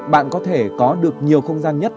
bạn có thể có được nhiều không gian nhất